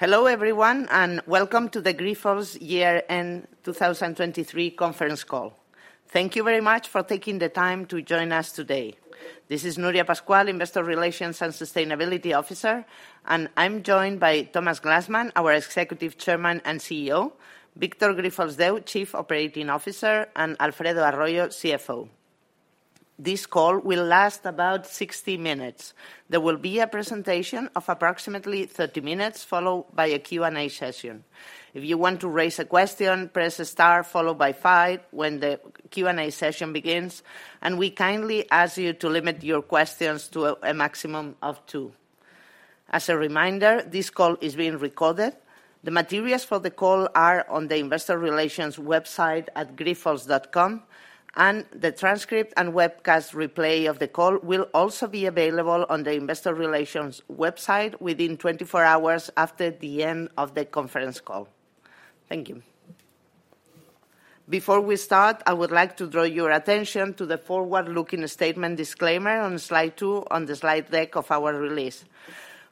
Hello, everyone, and welcome to the Grifols Year-End 2023 Conference Call. Thank you very much for taking the time to join us today. This is Nuria Pascual, Investor Relations and Sustainability Officer, and I'm joined by Thomas Glanzmann, our Executive Chairman and CEO; Victor Grifols Deu, Chief Operating Officer; and Alfredo Arroyo, CFO. This call will last about 60 minutes. There will be a presentation of approximately 30 minutes, followed by a Q&A session. If you want to raise a question, press star followed by five when the Q&A session begins, and we kindly ask you to limit your questions to a maximum of two. As a reminder, this call is being recorded. The materials for the call are on the Investor Relations website at grifols.com, and the transcript and webcast replay of the call will also be available on the Investor Relations website within 24 hours after the end of the conference call. Thank you. Before we start, I would like to draw your attention to the forward-looking statement disclaimer on slide 2 on the slide deck of our release.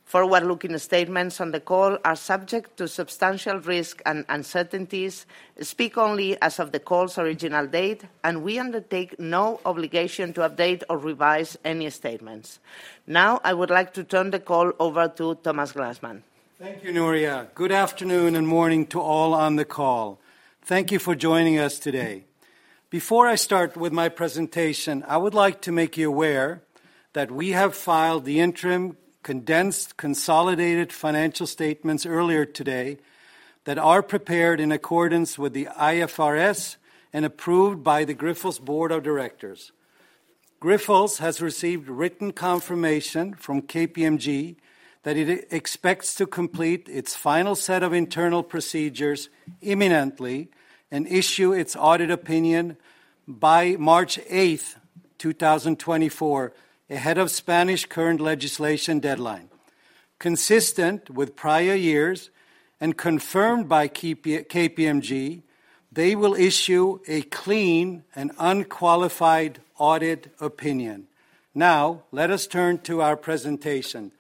Forward-looking statements on the call are subject to substantial risk and uncertainties, speak only as of the call's original date, and we undertake no obligation to update or revise any statements. Now, I would like to turn the call over to Thomas Glanzmann. Thank you, Nuria. Good afternoon and morning to all on the call. Thank you for joining us today. Before I start with my presentation, I would like to make you aware that we have filed the interim, condensed, consolidated financial statements earlier today that are prepared in accordance with the IFRS and approved by the Grifols Board of Directors. Grifols has received written confirmation from KPMG that it expects to complete its final set of internal procedures imminently and issue its audit opinion by March eighth, 2024, ahead of Spanish current legislation deadline. Consistent with prior years and confirmed by KPMG, they will issue a clean and unqualified audit opinion. Now, let us turn to our presentation.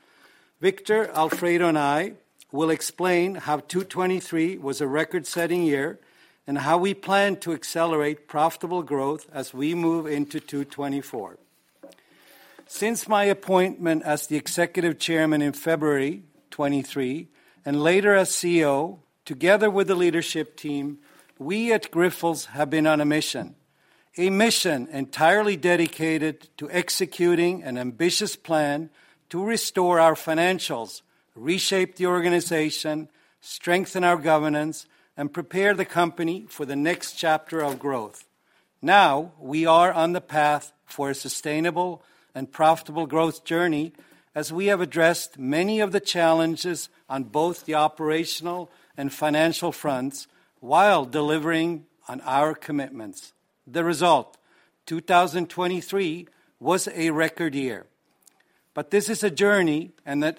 Victor, Alfredo, and I will explain how 2023 was a record-setting year and how we plan to accelerate profitable growth as we move into 2024. Since my appointment as the Executive Chairman in February 2023, and later as CEO, together with the leadership team, we at Grifols have been on a mission, a mission entirely dedicated to executing an ambitious plan to restore our financials, reshape the organization, strengthen our governance, and prepare the company for the next chapter of growth. Now, we are on the path for a sustainable and profitable growth journey as we have addressed many of the challenges on both the operational and financial fronts while delivering on our commitments. The result: 2023 was a record year. But, this is a journey and a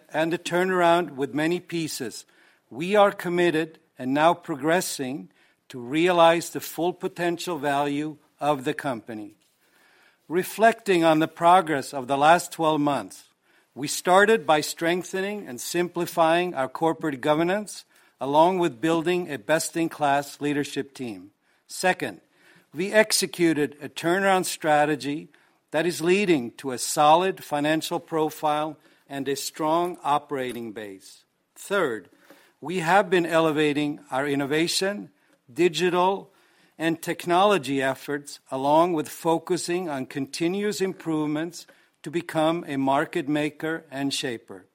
turnaround with many pieces. We are committed and now progressing to realize the full potential value of the company. Reflecting on the progress of the last 12 months, we started by strengthening and simplifying our corporate governance, along with building a best-in-class leadership team. Second, we executed a turnaround strategy that is leading to a solid financial profile and a strong operating base. Third, we have been elevating our innovation, digital, and technology efforts, along with focusing on continuous improvements to become a market maker and shaper.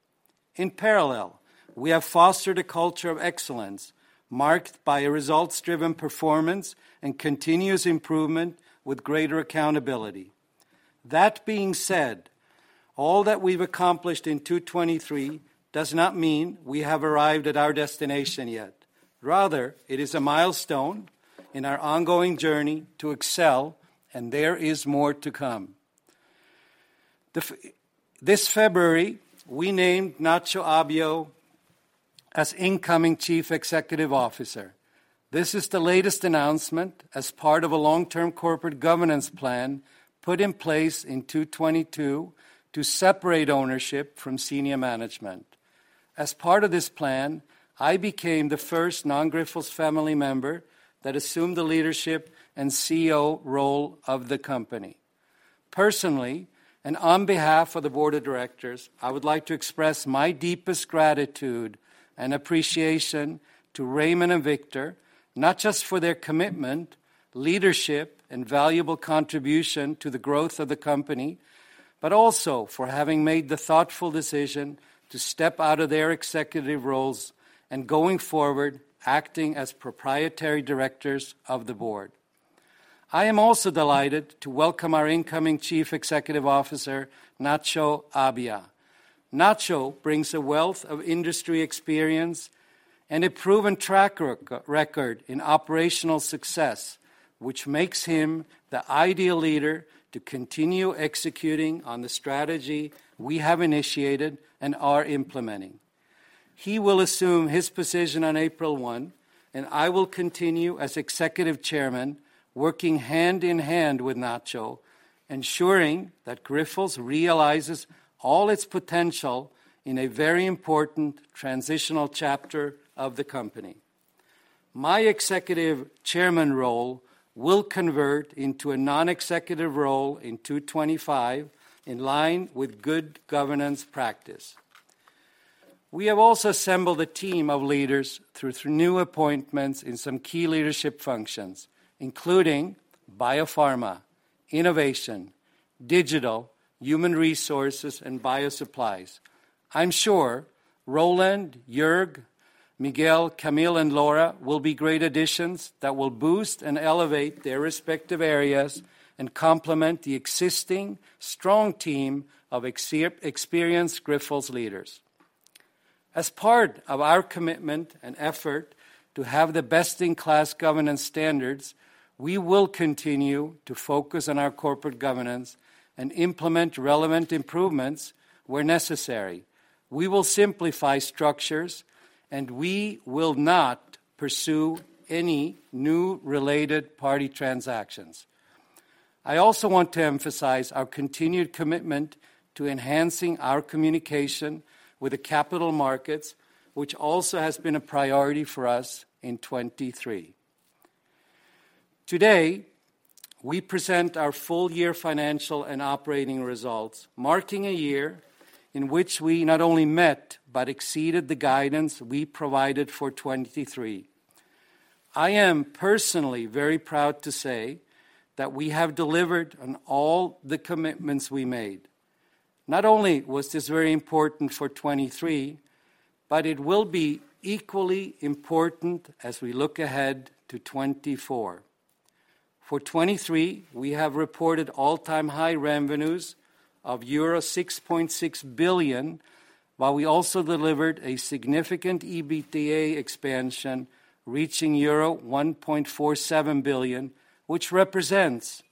In parallel, we have fostered a culture of excellence, marked by a results-driven performance and continuous improvement with greater accountability. That being said, all that we've accomplished in 2023 does not mean we have arrived at our destination yet. Rather, it is a milestone in our ongoing journey to excel, and there is more to come. This February, we named Nacho Abia as incoming Chief Executive Officer. This is the latest announcement as part of a long-term corporate governance plan put in place in 2022 to separate ownership from senior management. As part of this plan, I became the first non-Grifols family member that assumed the leadership and CEO role of the company. Personally, and on behalf of the board of directors, I would like to express my deepest gratitude and appreciation to Raimon and Victor, not just for their commitment, leadership, and valuable contribution to the growth of the company, but also for having made the thoughtful decision to step out of their executive roles and going forward, acting as proprietary directors of the board. I am also delighted to welcome our incoming Chief Executive Officer, Nacho Abia. Nacho brings a wealth of industry experience and a proven track record in operational success, which makes him the ideal leader to continue executing on the strategy we have initiated and are implementing. He will assume his position on April 1 and I will continue as Executive Chairman, working hand in hand with Nacho, ensuring that Grifols realizes all its potential in a very important transitional chapter of the company. My Executive Chairman role will convert into a non-executive role in 2025, in line with good governance practice. We have also assembled a team of leaders through new appointments in some key leadership functions, including Biopharma, Innovation, Digital, Human Resources, and Bio Supplies. I'm sure Roland, Jorg, Miguel, Camille, and Laura will be great additions that will boost and elevate their respective areas and complement the existing strong team of experienced Grifols leaders. As part of our commitment and effort to have the best-in-class governance standards, we will continue to focus on our corporate governance and implement relevant improvements where necessary. We will simplify structures, and we will not pursue any new related party transactions. I also want to emphasize our continued commitment to enhancing our communication with the capital markets, which also has been a priority for us in 2023. Today, we present our full year financial and operating results, marking a year in which we not only met but exceeded the guidance we provided for 2023. I am personally very proud to say that we have delivered on all the commitments we made. Not only was this very important for 2023, but it will be equally important as we look ahead to 2024. For 2023, we have reported all-time high revenues of euro 6.6 billion, while we also delivered a significant EBITDA expansion, reaching euro 1.47 billion, which represents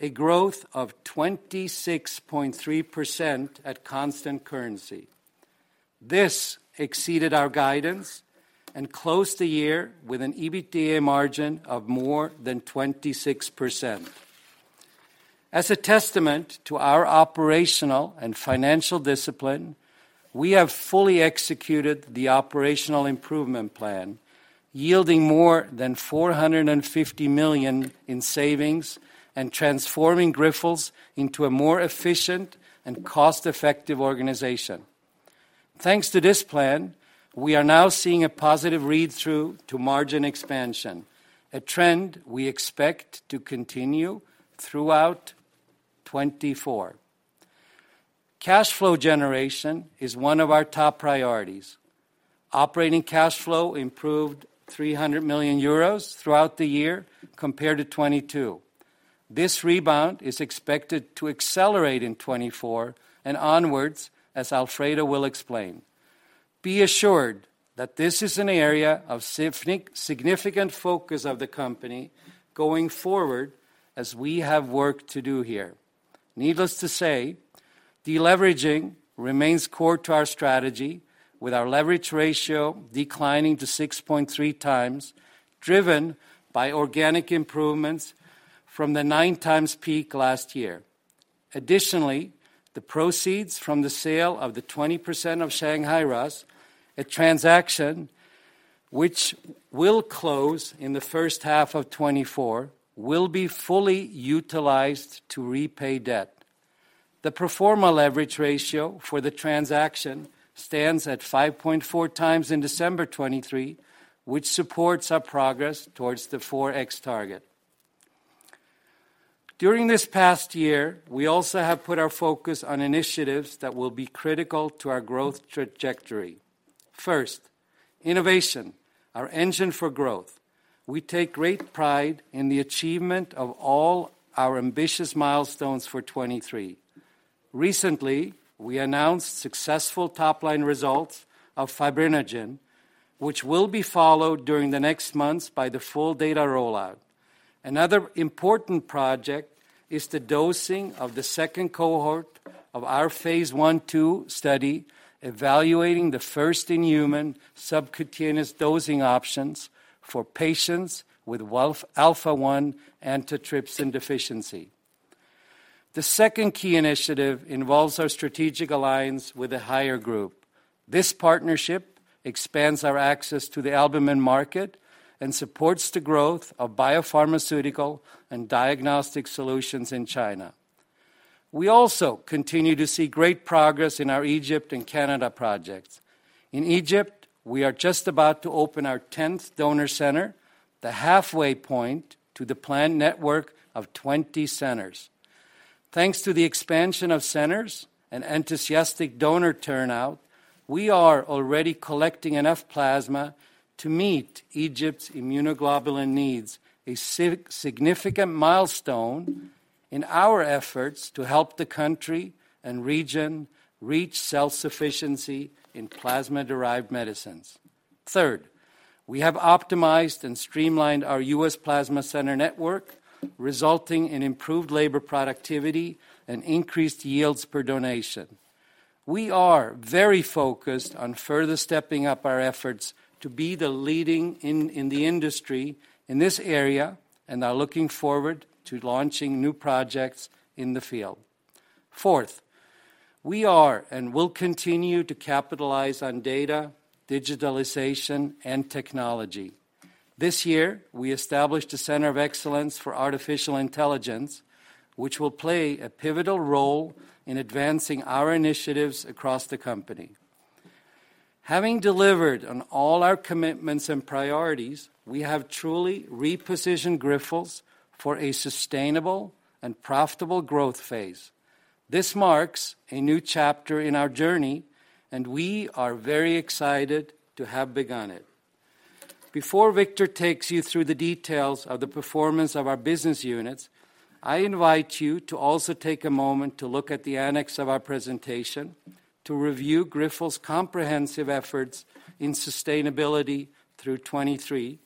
a growth of 26.3% at constant currency. This exceeded our guidance and closed the year with an EBITDA margin of more than 26%. As a testament to our operational and financial discipline, we have fully executed the operational improvement plan, yielding more than 450 million in savings and transforming Grifols into a more efficient and cost-effective organization. Thanks to this plan, we are now seeing a positive read-through to margin expansion, a trend we expect to continue throughout 2024. Cash flow generation is one of our top priorities. Operating cash flow improved 300 million euros throughout the year compared to 2022. This rebound is expected to accelerate in 2024 and onwards, as Alfredo will explain. Be assured that this is an area of significant focus of the company going forward, as we have work to do here. Needless to say, deleveraging remains core to our strategy, with our leverage ratio declining to 6.3x, driven by organic improvements from the 9x peak last year. Additionally, the proceeds from the sale of the 20% of Shanghai RAAS, a transaction which will close in the first half of 2024, will be fully utilized to repay debt. The pro forma leverage ratio for the transaction stands at 5.4x in December 2023, which supports our progress towards the 4x target. During this past year, we also have put our focus on initiatives that will be critical to our growth trajectory. First, innovation, our engine for growth. We take great pride in the achievement of all our ambitious milestones for 2023. Recently, we announced successful top-line results of Fibrinogen, which will be followed during the next months by the full data rollout. Another important project is the dosing of the second cohort of our phase I/II study, evaluating the first in-human subcutaneous dosing options for patients with Alpha-1 antitrypsin deficiency. The second key initiative involves our strategic alliance with the Haier Group. This partnership expands our access to the albumin market and supports the growth of biopharmaceutical and diagnostic solutions in China. We also continue to see great progress in our Egypt and Canada projects. In Egypt, we are just about to open our 10th donor center, the halfway point to the planned network of 20 centers. Thanks to the expansion of centers and enthusiastic donor turnout, we are already collecting enough plasma to meet Egypt's immunoglobulin needs, a significant milestone in our efforts to help the country and region reach self-sufficiency in plasma-derived medicines. Third, we have optimized and streamlined our U.S. plasma center network, resulting in improved labor productivity and increased yields per donation. We are very focused on further stepping up our efforts to be the leading in the industry in this area, and are looking forward to launching new projects in the field. Fourth, we are and will continue to capitalize on data, digitalization, and technology. This year, we established a center of excellence for artificial intelligence, which will play a pivotal role in advancing our initiatives across the company. Having delivered on all our commitments and priorities, we have truly repositioned Grifols for a sustainable and profitable growth phase. This marks a new chapter in our journey, and we are very excited to have begun it. Before Victor takes you through the details of the performance of our business units, I invite you to also take a moment to look at the annex of our presentation to review Grifols' comprehensive efforts in sustainability through 2023,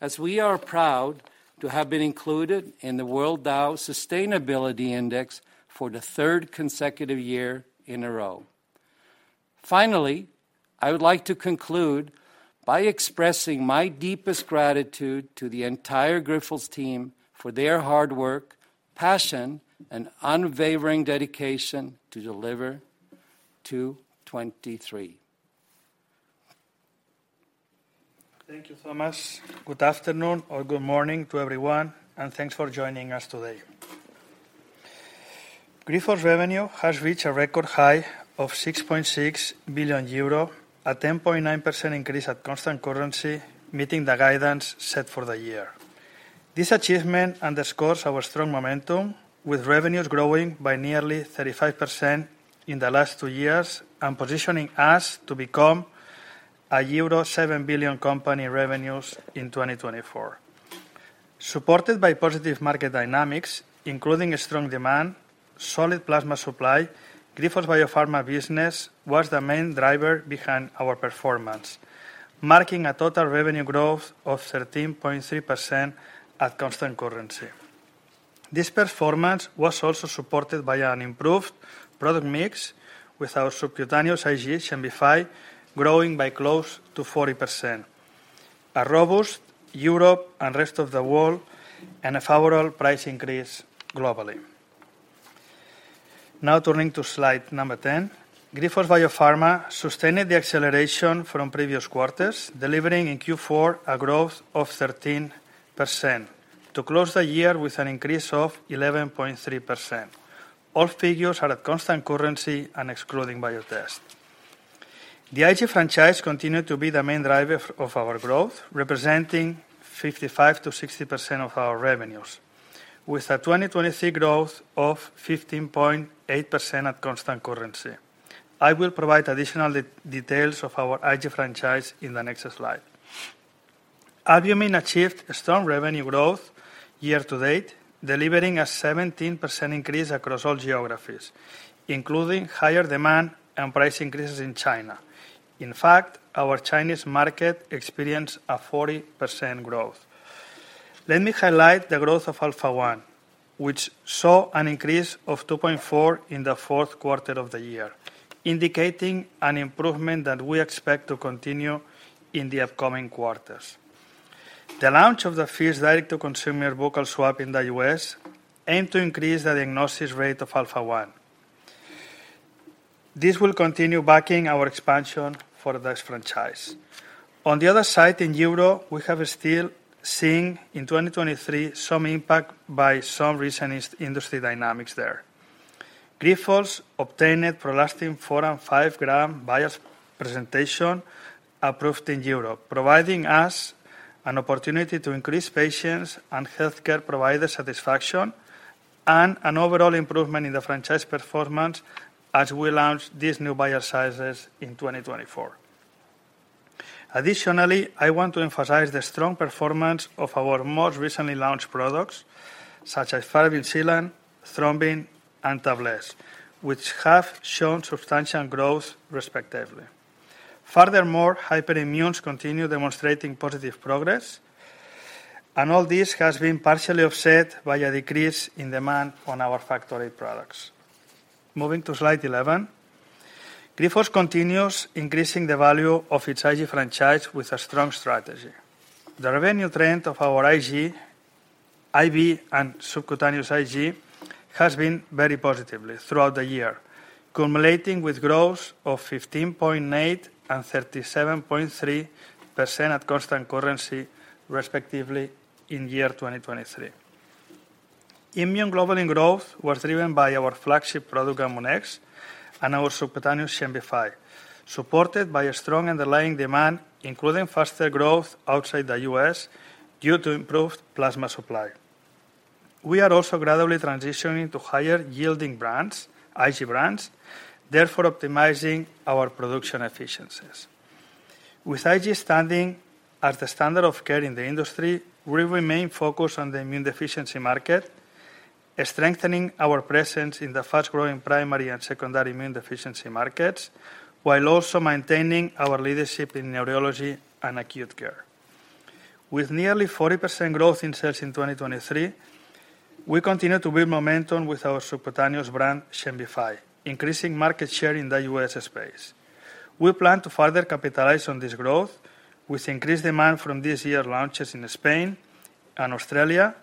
as we are proud to have been included in the world Dow Jones Sustainability Index for the third consecutive year in a row. Finally, I would like to conclude by expressing my deepest gratitude to the entire Grifols team for their hard work, passion, and unwavering dedication to deliver to 2023. Thank you, Thomas. Good afternoon or good morning to everyone, and thanks for joining us today. Grifols' revenue has reached a record high of 6.6 billion euro, a 10.9% increase at constant currency, meeting the guidance set for the year. This achievement underscores our strong momentum, with revenues growing by nearly 35% in the last two years, and positioning us to become a euro 7 billion company revenues in 2024. Supported by positive market dynamics, including a strong demand, solid plasma supply, Grifols Biopharma business was the main driver behind our performance, marking a total revenue growth of 13.3% at constant currency. This performance was also supported by an improved product mix with our subcutaneous IG XEMBIFY growing by close to 40%. A robust Europe and rest of the world, and a favorable price increase globally. Now, turning to slide number 10. Grifols Biopharma sustained the acceleration from previous quarters, delivering in Q4 a growth of 13%, to close the year with an increase of 11.3%. All figures are at constant currency and excluding Biotest. The IG franchise continued to be the main driver of our growth, representing 55%-60% of our revenues, with a 2023 growth of 15.8% at constant currency. I will provide additional details of our IG franchise in the next slide. Albumin achieved a strong revenue growth year to date, delivering a 17% increase across all geographies, including higher demand and price increases in China. In fact, our Chinese market experienced a 40% growth. Let me highlight the growth of Alpha-1, which saw an increase of 2.4% in the fourth quarter of the year, indicating an improvement that we expect to continue in the upcoming quarters. The launch of the first direct-to-consumer buccal swab in the U.S. aimed to increase the diagnosis rate of Alpha-1. This will continue backing our expansion for this franchise. On the other side, in Europe, we have still seen in 2023 some impact by some recent industry dynamics there. Grifols obtained PROLASTIN 4 g and 5 g vial presentation approved in Europe, providing us an opportunity to increase patients and healthcare provider satisfaction, and an overall improvement in the franchise performance as we launch these new vial sizes in 2024. Additionally, I want to emphasize the strong performance of our most recently launched products, such as Fibrin Sealant, Thrombin, and TAVLESSE, which have shown substantial growth, respectively. Furthermore, hyperimmunes continue demonstrating positive progress, and all this has been partially offset by a decrease in demand on our Factor VIII products. Moving to slide 11, Grifols continues increasing the value of its IG franchise with a strong strategy. The revenue trend of our IG, IV, and subcutaneous IG has been very positive throughout the year, culminating with growth of 15.8% and 37.3% at constant currency, respectively, in 2023. Immunoglobulin growth was driven by our flagship product, GAMUNEX, and our subcutaneous XEMBIFY, supported by a strong underlying demand, including faster growth outside the U.S. due to improved plasma supply. We are also gradually transitioning to higher-yielding brands, IG brands, therefore optimizing our production efficiencies. With IG standing as the standard of care in the industry, we remain focused on the immune deficiency market, strengthening our presence in the fast-growing primary and secondary immune deficiency markets, while also maintaining our leadership in neurology and acute care. With nearly 40% growth in sales in 2023, we continue to build momentum with our subcutaneous brand, XEMBIFY, increasing market share in the U.S. space. We plan to further capitalize on this growth with increased demand from this year launches in Spain and Australia,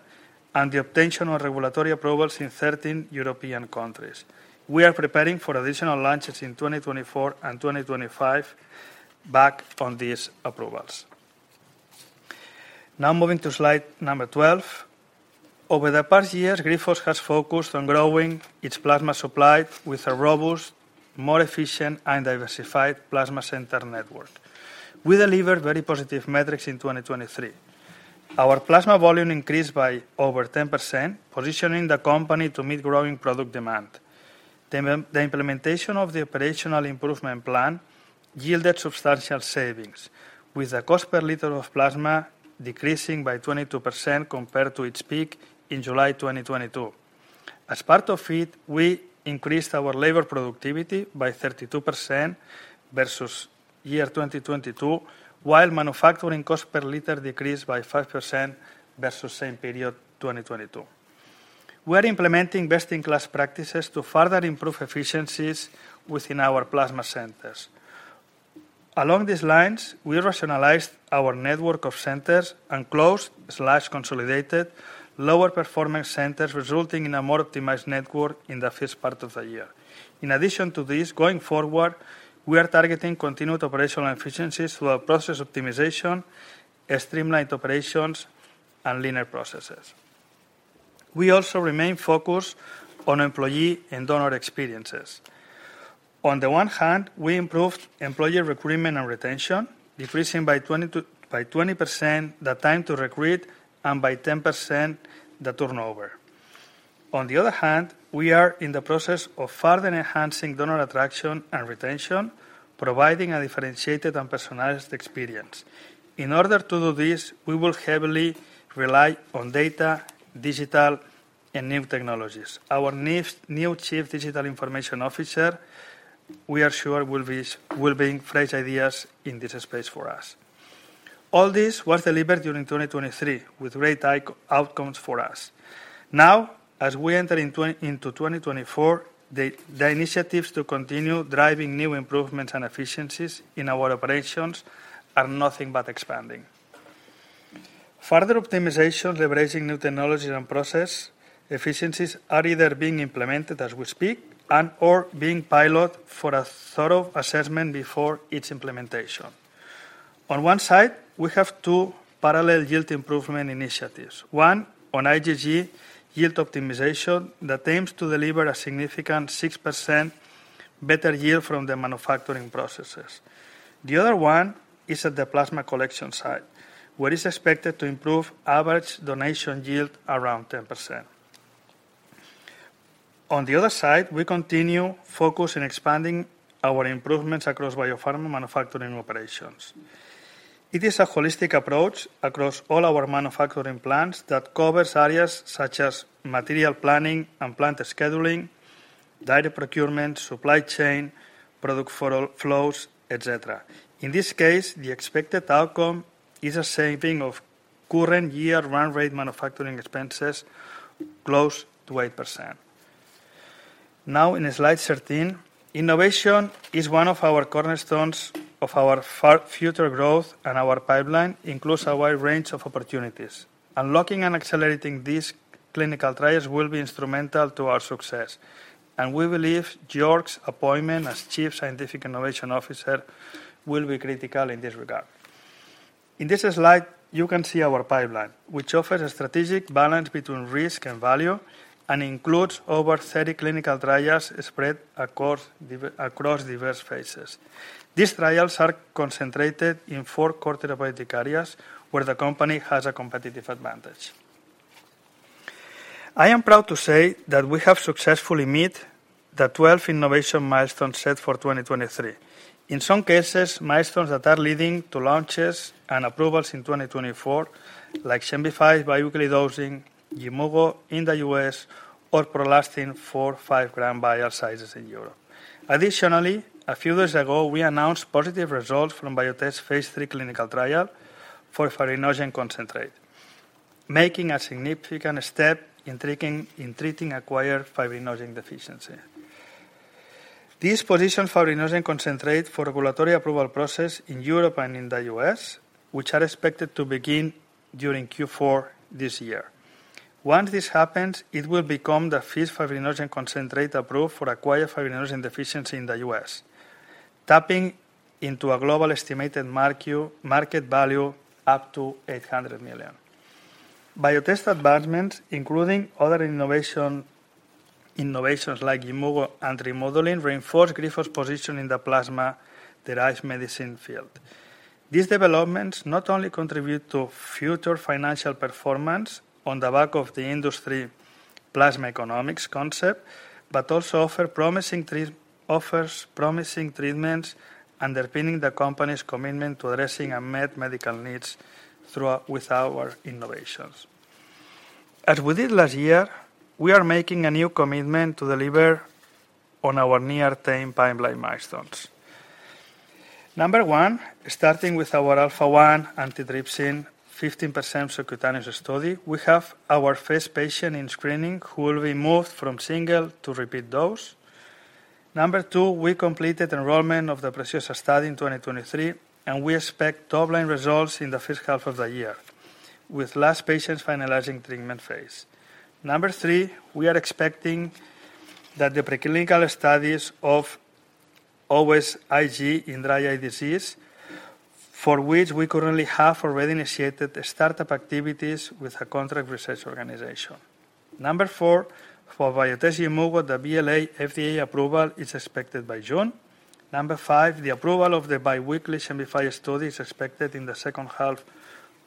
and the obtainment of regulatory approvals in 13 European countries. We are preparing for additional launches in 2024 and 2025 back on these approvals. Now moving to slide number 12. Over the past years, Grifols has focused on growing its plasma supply with a robust, more efficient, and diversified plasma center network. We delivered very positive metrics in 2023. Our plasma volume increased by over 10%, positioning the company to meet growing product demand. The implementation of the operational improvement plan yielded substantial savings, with the cost per liter of plasma decreasing by 22% compared to its peak in July 2022. As part of it, we increased our labor productivity by 32% versus year 2022, while manufacturing cost per liter decreased by 5% versus same period, 2022. We are implementing best-in-class practices to further improve efficiencies within our plasma centers. Along these lines, we rationalized our network of centers and closed/consolidated lower-performance centers, resulting in a more optimized network in the first part of the year. In addition to this, going forward, we are targeting continued operational efficiencies through our process optimization, streamlined operations, and linear processes. We also remain focused on employee and donor experiences. On the one hand, we improved employee recruitment and retention, decreasing by 20% the time to recruit and by 10% the turnover. On the other hand, we are in the process of further enhancing donor attraction and retention, providing a differentiated and personalized experience. In order to do this, we will heavily rely on data, digital, and new technologies. Our new Chief Digital Information Officer, we are sure, will bring fresh ideas in this space for us. All this was delivered during 2023, with great outcomes for us. Now, as we enter into 2024, the initiatives to continue driving new improvements and efficiencies in our operations are nothing but expanding. Further optimization, leveraging new technologies and process efficiencies are either being implemented as we speak and/or being pilot for a thorough assessment before its implementation. On one side, we have two parallel yield improvement initiatives. One, on IgG yield optimization that aims to deliver a significant 6% better yield from the manufacturing processes. The other one is at the plasma collection side, where it's expected to improve average donation yield around 10%. On the other side, we continue focus in expanding our improvements across biopharma manufacturing operations. It is a holistic approach across all our manufacturing plants that covers areas such as material planning and plant scheduling, data procurement, supply chain, product flow, flows, et cetera. In this case, the expected outcome is a saving of current year run rate manufacturing expenses close to 8%. Now, in slide 13, innovation is one of our cornerstones of our future growth, and our pipeline includes a wide range of opportunities. Unlocking and accelerating these clinical trials will be instrumental to our success, and we believe Jorg's appointment as Chief Scientific Innovation Officer will be critical in this regard. In this slide, you can see our pipeline, which offers a strategic balance between risk and value and includes over 30 clinical trials spread across diverse phases. These trials are concentrated in four core therapeutic areas where the company has a competitive advantage. I am proud to say that we have successfully met the 12 innovation milestones set for 2023. In some cases, milestones that are leading to launches and approvals in 2024, like XEMBIFY bi-weekly dosing, GAMUNEX in the U.S. or PROLASTIN for 5 g vial sizes in Europe. Additionally, a few days ago, we announced positive results from Biotest phase III clinical trial for fibrinogen concentrate, making a significant step in treating acquired fibrinogen deficiency. This positions fibrinogen concentrate for regulatory approval process in Europe and in the U.S., which are expected to begin during Q4 this year. Once this happens, it will become the first fibrinogen concentrate approved for acquired fibrinogen deficiency in the U.S., tapping into a global estimated market value up to 800 million. Biotest advancements, including other innovations like Yimmugo and Trimodulin, reinforce Grifols' position in the plasma-derived medicine field. These developments not only contribute to future financial performance on the back of the industry plasma economics concept, but also offers promising treatments, underpinning the company's commitment to addressing unmet medical needs with our innovations. As we did last year, we are making a new commitment to deliver on our near-term pipeline milestones. Number one, starting with our Alpha-1 antitrypsin 15% subcutaneous study, we have our first patient in screening who will be moved from single to repeat dose. Number two, we completed enrollment of the PRECIOSA study in 2023, and we expect top-line results in the first half of the year, with last patients finalizing treatment phase. Number three, we are expecting that the preclinical studies of OSIG in dry eye disease, for which we currently have already initiated the startup activities with a contract research organization. Number four, for Biotest Yimmugo, the BLA FDA approval is expected by June. Number five, the approval of the biweekly XEMBIFY study is expected in the second half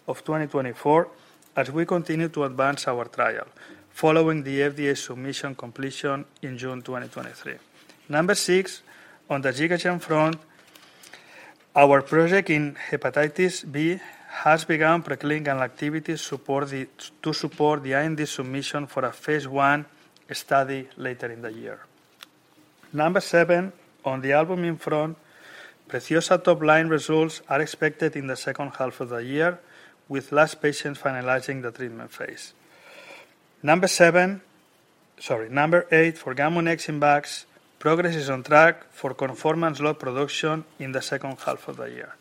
of 2024 as we continue to advance our trial following the FDA submission completion in June 2023. Number six, on the GigaGen front, our project in Hepatitis B has begun preclinical activities to support the IND submission for a phase I study later in the year. Number seven, on the albumin front, PRECIOSA top-line results are expected in the second half of the year, with last patients finalizing the treatment phase. Number seven—sorry, number eight, for GAMUNEX in bags, progress is on track for conformance lot production in the second half of the year.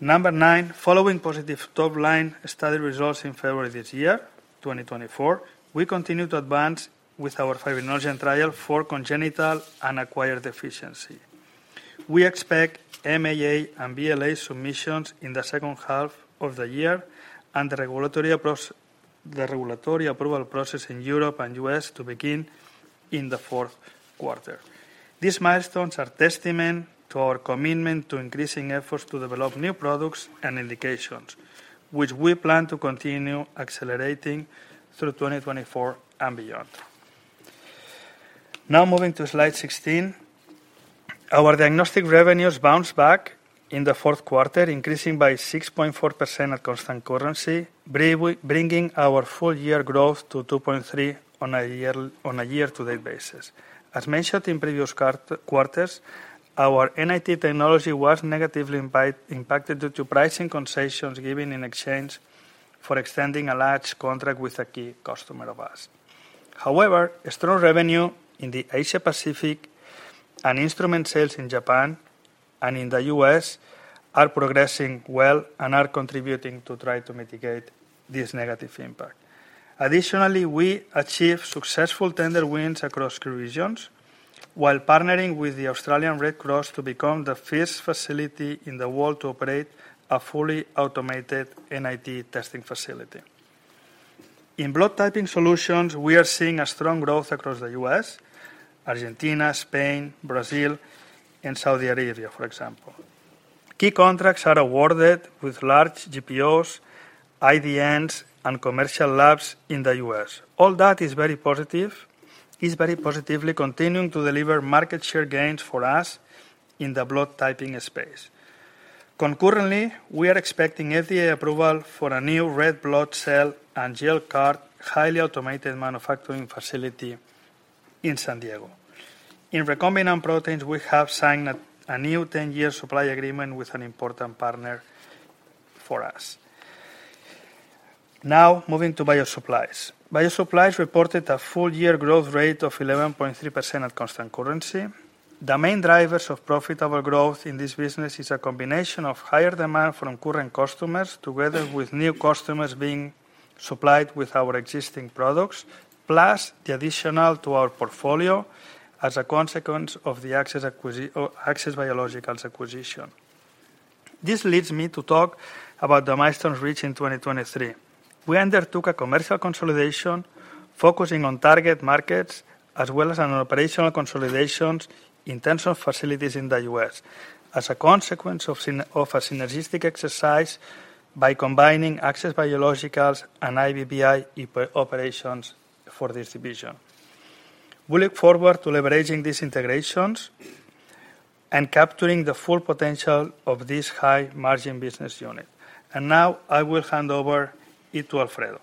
Number nine, following positive top-line study results in February this year, 2024, we continue to advance with our fibrinogen trial for congenital and acquired deficiency. We expect MAA and BLA submissions in the second half of the year and the regulatory approval process in Europe and U.S. to begin in the fourth quarter. These milestones are testament to our commitment to increasing efforts to develop new products and indications, which we plan to continue accelerating through 2024 and beyond. Now, moving to slide 16. Our diagnostic revenues bounced back in the fourth quarter, increasing by 6.4% at constant currency, bringing our full-year growth to 2.3 on a year, on a year-to-date basis. As mentioned in previous quarters, our NAT technology was negatively impacted due to pricing concessions given in exchange for extending a large contract with a key customer of ours. However, a strong revenue in the Asia Pacific and instrument sales in Japan and in the U.S. are progressing well and are contributing to try to mitigate this negative impact. Additionally, we achieved successful tender wins across key regions while partnering with the Australian Red Cross to become the first facility in the world to operate a fully automated NAT testing facility. In blood typing solutions, we are seeing a strong growth across the U.S., Argentina, Spain, Brazil, and Saudi Arabia, for example. Key contracts are awarded with large GPOs, IDNs, and commercial labs in the U.S. All that is very positive, is very positively continuing to deliver market share gains for us in the blood typing space. Concurrently, we are expecting FDA approval for a new red blood cell and gel card, highly automated manufacturing facility in San Diego. In recombinant proteins, we have signed a new ten-year supply agreement with an important partner for us. Now, moving to Bio Supplies. Bio Supplies reported a full-year growth rate of 11.3% at constant currency. The main drivers of profitable growth in this business is a combination of higher demand from current customers, together with new customers being supplied with our existing products, plus the additional to our portfolio as a consequence of the Access Biologicals acquisition. This leads me to talk about the milestones reached in 2023. We undertook a commercial consolidation, focusing on target markets, as well as an operational consolidations in terms of facilities in the U.S. As a consequence of a synergistic exercise by combining Access Biologicals and IBBI operations for this division. We look forward to leveraging these integrations and capturing the full potential of this high-margin business unit. Now I will hand over it to Alfredo.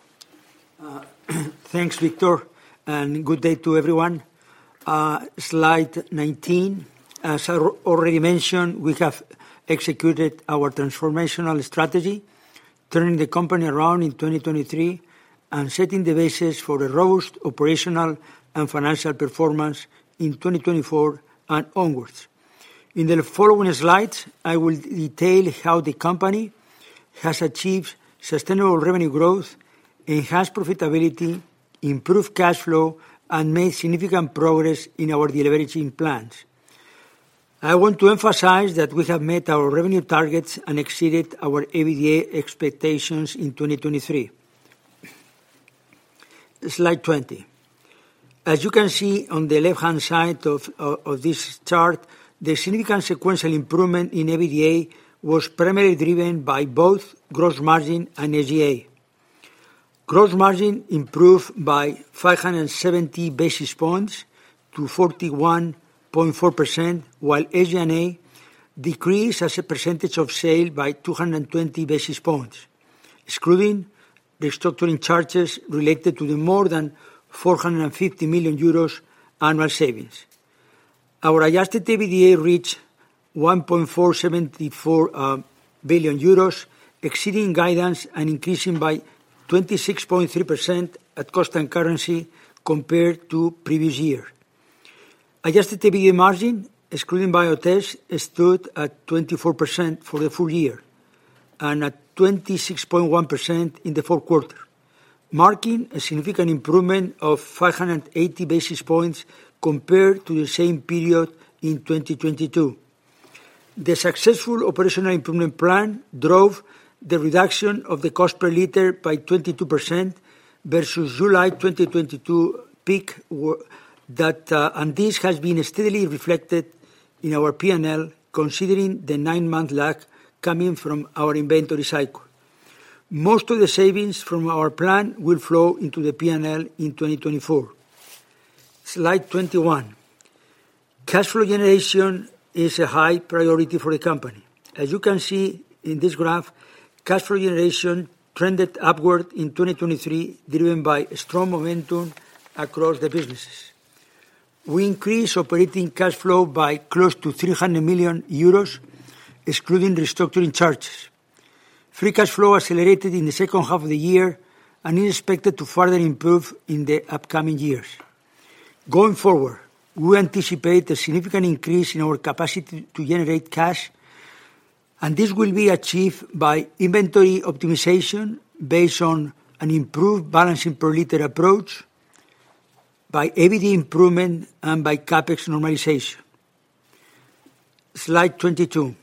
Thanks, Victor, and good day to everyone. Slide 19. As I already mentioned, we have executed our transformational strategy, turning the company around in 2023 and setting the basis for a robust operational and financial performance in 2024 and onwards. In the following slides, I will detail how the company has achieved sustainable revenue growth, enhanced profitability, improved cash flow, and made significant progress in our deleveraging plans. I want to emphasize that we have met our revenue targets and exceeded our EBITDA expectations in 2023. Slide 20. As you can see on the left-hand side of of this chart, the significant sequential improvement in EBITDA was primarily driven by both gross margin and SG&A. Gross margin improved by 570 basis points to 41.4%, while SG&A decreased as a percentage of sale by 220 basis points, excluding the restructuring charges related to the more than 450 million euros annual savings. Our adjusted EBITDA reached 1.474 billion euros, exceeding guidance and increasing by 26.3% at cost and currency compared to previous year. Adjusted EBITDA margin, excluding Biotest, stood at 24% for the full year and at 26.1% in the fourth quarter, marking a significant improvement of 580 basis points compared to the same period in 2022. The successful operational improvement plan drove the reduction of the cost per liter by 22% versus July 2022 peak. And, this has been steadily reflected in our P&L, considering the nine-month lag coming from our inventory cycle. Most of the savings from our plan will flow into the P&L in 2024. Slide 21. Cash flow generation is a high priority for the company. As you can see in this graph, cash flow generation trended upward in 2023, driven by strong momentum across the businesses. We increased operating cash flow by close to 300 million euros, excluding restructuring charges. Free cash flow accelerated in the second half of the year and is expected to further improve in the upcoming years. Going forward, we anticipate a significant increase in our capacity to generate cash, and this will be achieved by inventory optimization based on an improved balancing per liter approach, by EBITDA improvement and by CapEx normalization. Slide 22.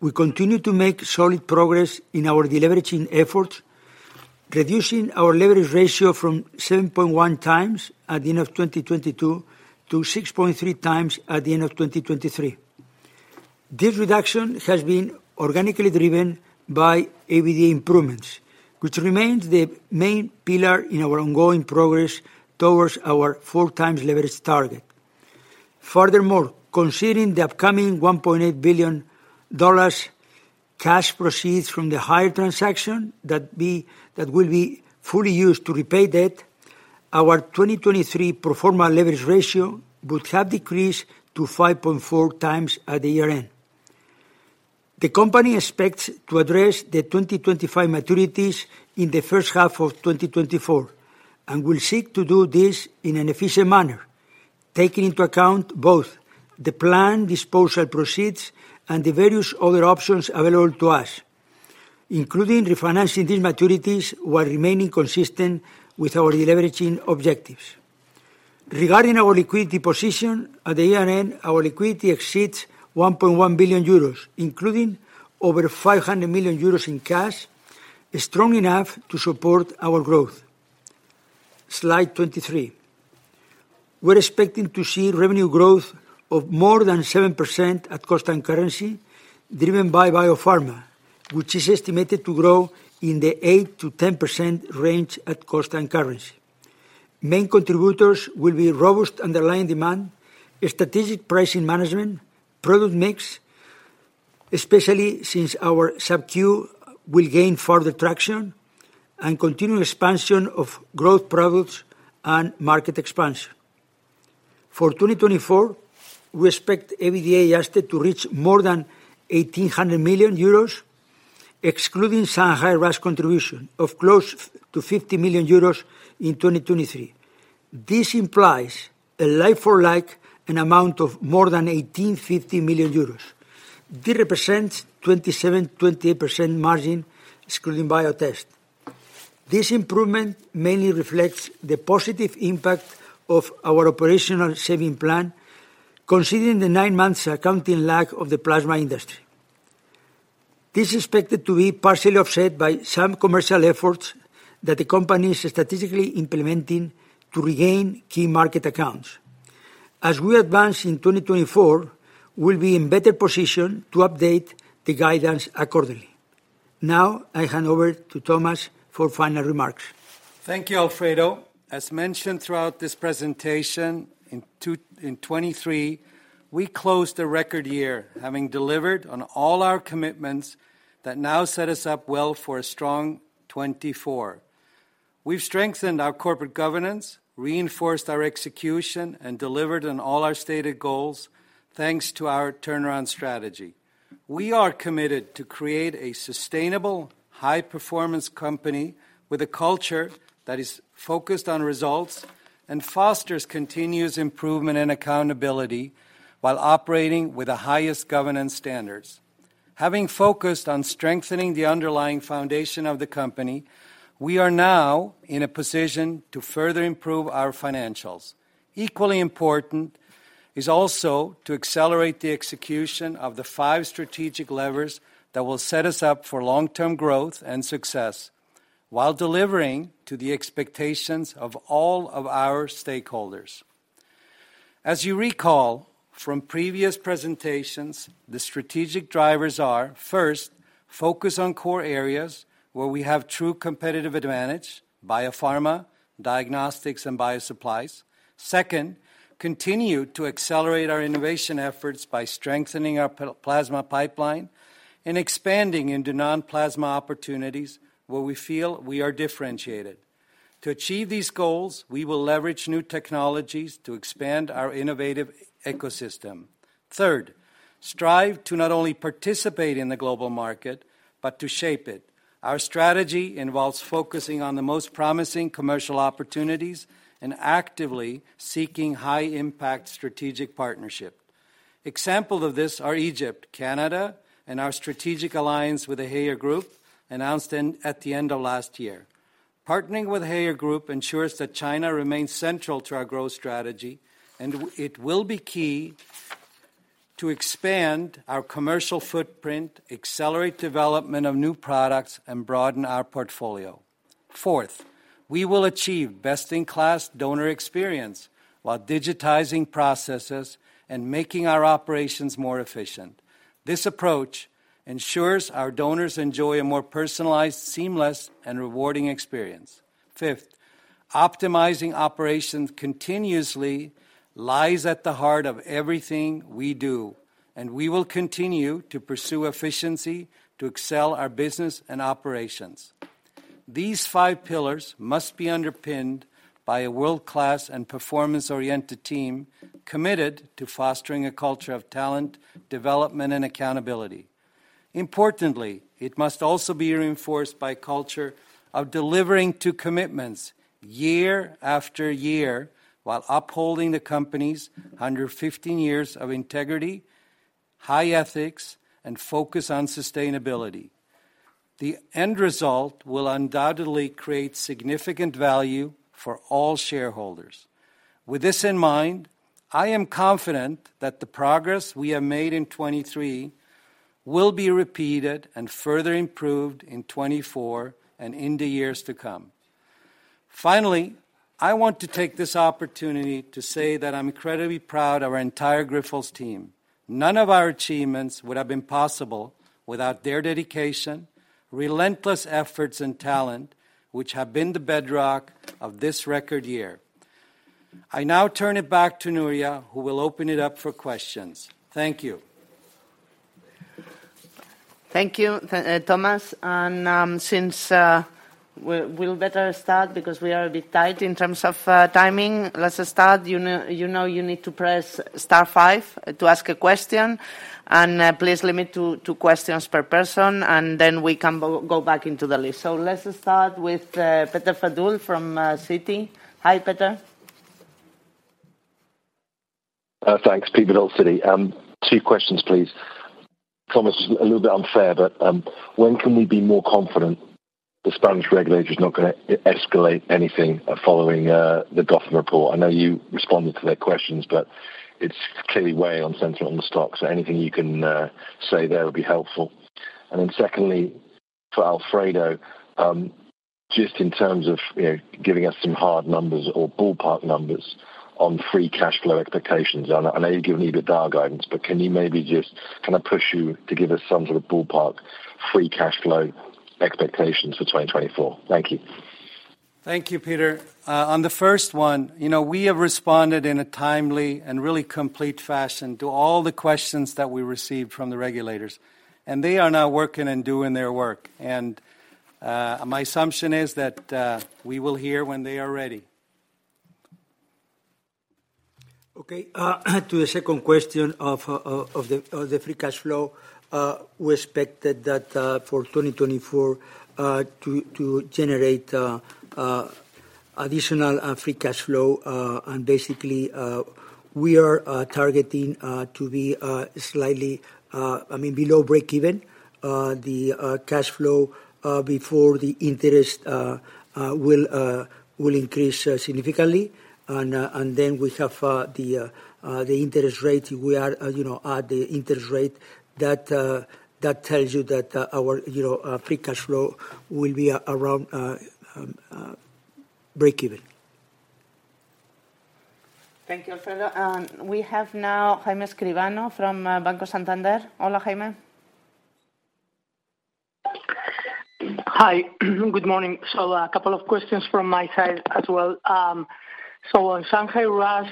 We continue to make solid progress in our deleveraging efforts, reducing our leverage ratio from 7.1x at the end of 2022 to 6.3x at the end of 2023. This reduction has been organically driven by EBITDA improvements, which remains the main pillar in our ongoing progress towards our 4x leverage target. Furthermore, considering the upcoming $1.8 billion cash proceeds from the Haier transaction that will be fully used to repay debt, our 2023 pro forma leverage ratio would have decreased to 5.4x at the year-end. The company expects to address the 2025 maturities in the first half of 2024 and will seek to do this in an efficient manner, taking into account both the planned disposal proceeds and the various other options available to us, including refinancing these maturities while remaining consistent with our deleveraging objectives. Regarding our liquidity position, at the year-end, our liquidity exceeds 1.1 billion euros, including over 500 million euros in cash, strong enough to support our growth. Slide 23. We're expecting to see revenue growth of more than 7% at cost and currency, driven by Biopharma, which is estimated to grow in the 8%-10% range at cost and currency. Main contributors will be robust underlying demand, a strategic pricing management, product mix, especially since our sub-Q will gain further traction, and continued expansion of growth products and market expansion. For 2024, we expect EBITDA adjusted to reach more than 1,800 million euros, excluding Shanghai RAAS contribution of close to 50 million euros in 2023. This implies a like-for-like amount of more than 1,850 million euros. This represents 27%-28% margin, excluding Biotest. This improvement mainly reflects the positive impact of our operational saving plan, considering the nine months accounting lag of the plasma industry. This is expected to be partially offset by some commercial efforts that the company is strategically implementing to regain key market accounts. As we advance in 2024, we'll be in better position to update the guidance accordingly. Now, I hand over to Thomas for final remarks. Thank you, Alfredo. As mentioned throughout this presentation, in 2023, we closed a record year, having delivered on all our commitments that now set us up well for a strong 2024. We've strengthened our corporate governance, reinforced our execution, and delivered on all our stated goals, thanks to our turnaround strategy. We are committed to create a sustainable, high-performance company with a culture that is focused on results and fosters continuous improvement and accountability while operating with the highest governance standards. Having focused on strengthening the underlying foundation of the company, we are now in a position to further improve our financials. Equally important is also to accelerate the execution of the five strategic levers that will set us up for long-term growth and success while delivering to the expectations of all of our stakeholders. As you recall from previous presentations, the strategic drivers are, first, focus on core areas where we have true competitive advantage: Biopharma, Diagnostics, and Bio Supplies. Second, continue to accelerate our innovation efforts by strengthening our plasma pipeline and expanding into non-plasma opportunities where we feel we are differentiated. To achieve these goals, we will leverage new technologies to expand our innovative ecosystem. Third, strive to not only participate in the global market, but to shape it. Our strategy involves focusing on the most promising commercial opportunities and actively seeking high-impact strategic partnership. Examples of this are Egypt, Canada, and our strategic alliance with the Haier Group, announced at the end of last year. Partnering with Haier Group ensures that China remains central to our growth strategy, and it will be key to expand our commercial footprint, accelerate development of new products, and broaden our portfolio. Fourth, we will achieve best-in-class donor experience while digitizing processes and making our operations more efficient. This approach ensures our donors enjoy a more personalized, seamless, and rewarding experience. Fifth, optimizing operations continuously lies at the heart of everything we do, and we will continue to pursue efficiency to excel our business and operations. These five pillars must be underpinned by a world-class and performance-oriented team committed to fostering a culture of talent, development, and accountability. Importantly, it must also be reinforced by a culture of delivering to commitments year after year, while upholding the company's 115 years of integrity, high ethics, and focus on sustainability. The end result will undoubtedly create significant value for all shareholders. With this in mind, I am confident that the progress we have made in 2023 will be repeated and further improved in 2024 and in the years to come. Finally, I want to take this opportunity to say that I'm incredibly proud of our entire Grifols team. None of our achievements would have been possible without their dedication, relentless efforts, and talent, which have been the bedrock of this record year. I now turn it back to Nuria, who will open it up for questions. Thank you. Thank you, Thomas. Since we'll better start because we are a bit tight in terms of timing. Let's start. You know, you need to press star five to ask a question, and please limit to two questions per person, and then we can go back into the list. So let's start with Peter Verdult from Citi. Hi, Peter. Thanks. Peter Verdult, Citi. Two questions, please. Thomas, a little bit unfair, but when can we be more confident the Spanish regulator is not gonna escalate anything following the Gotham report? I know you responded to their questions, but it's clearly weighing on sentiment on the stock, so anything you can say there would be helpful. And then, secondly, for Alfredo, just in terms of, you know, giving us some hard numbers or ballpark numbers on free cash flow expectations. I know you've given EBITDA guidance, but can you maybe just, can I push you to give us some sort of ballpark free cash flow expectations for 2024? Thank you. Thank you, Peter. On the first one, you know, we have responded in a timely and really complete fashion to all the questions that we received from the regulators, and they are now working and doing their work. And, my assumption is that, we will hear when they are ready. Okay, to the second question of the free cash flow. We expected that for 2024 to generate additional free cash flow. And basically, we are targeting to be slightly, I mean, below breakeven. The cash flow before the interest will increase significantly. And then we have the interest rate. We are, you know, at the interest rate that tells you that our, you know, free cash flow will be around breakeven. Thank you, Alfredo. We have now Jaime Escribano from Banco Santander. Hola, Jaime. Hi. Good morning. So a couple of questions from my side as well. So on Shanghai RAAS,